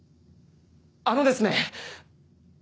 あのですね！